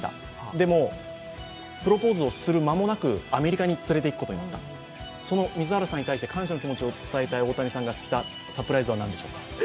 でも、プロポーズをする間もなくアメリカに連れていくことになった、その水原さんに対して感謝の気持ちを伝えたい大谷さんがしたサプライズは何でしょうか。